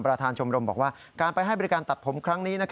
ประธานชมรมบอกว่าการไปให้บริการตัดผมครั้งนี้